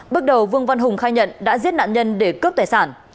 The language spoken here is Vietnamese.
bước đầu vương văn hùng khai nhận đã giết nạn nhân để cướp tài sản